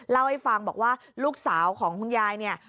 เล่าให้ฟังบอกว่าลูกสาวของคุณยายเนี่ย